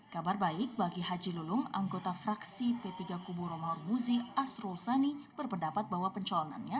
kabar baik bagi haji lulung anggota fraksi p tiga kubu romahur muzi asrul sani berpendapat bahwa pencalonannya